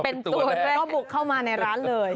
เป็นตัวแรกก็บุกเข้ามาในร้านเลย